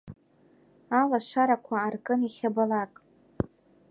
Алашарақәа аркын иахьабалак.